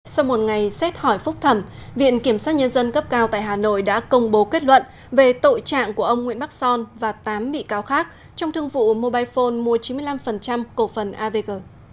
sau một ngày xét hỏi phúc thẩm viện kiểm sát nhân dân cấp cao tại hà nội đã công bố kết luận về tội trạng của ông nguyễn bắc son và tám bị cáo khác trong thương vụ mobile phone mua chín mươi năm cổ phần avg